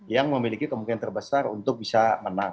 yang memiliki kemungkinan terbesar untuk bisa menang